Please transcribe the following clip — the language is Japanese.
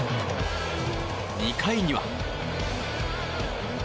２回には。